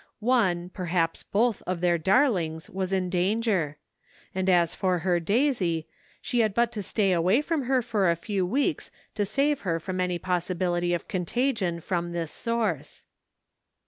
One, perhaps both of their darlings, was in danger. And as for her Daisy, she had but to stay away from her for a few weeks to save her from any possi bility of contagion from this source.